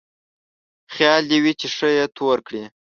خيال دې وي چې ښه يې تور کړې.